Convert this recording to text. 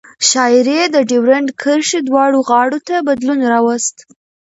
شاعري یې د ډیورند کرښې دواړو غاړو ته بدلون راوست.